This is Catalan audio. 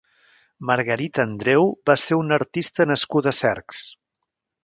Margarita Andreu va ser una artista nascuda a Cercs.